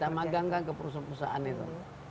iya kita magangkan ke perusahaan perusahaan itu